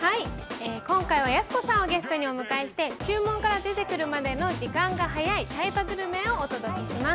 今回はやす子さんをゲストにお迎えして、注文から出てくるまでの時間が早いタイパグルメをお伝えします。